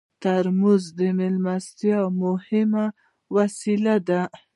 ترموز د میلمستیا مهم وسیله ده.